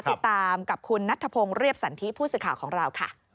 ติดตามกับคุณนัทธพงศ์เรียบสันทิผู้สื่อข่าวของเราค่ะ